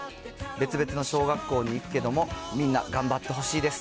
別々の小学校に行くけども、みんな頑張ってほしいです。